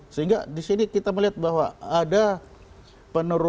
sehingga di sini kita melihat bahwa ada penurunan